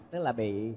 tức là bị